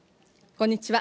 こんにちは。